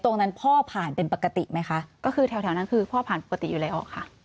พ่อผ่านเป็นปกติไหมคะก็คือแถวนั้นคือพ่อผ่านปกติอยู่แล้วค่ะ